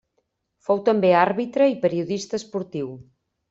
Fou també àrbitre i periodista esportiu.